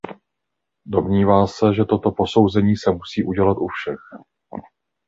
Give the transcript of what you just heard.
Domnívá se, že toto posouzení se musí udělat u všech.